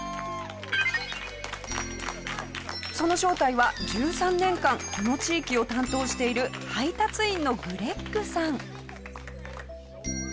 その正体は１３年間この地域を担当している配達員のグレッグさん。